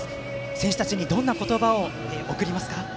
選手たちにどんな言葉を送りますか？